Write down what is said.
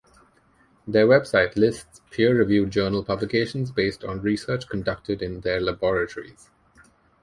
Their website lists peer-reviewed journal publications based on research conducted in their laboratories.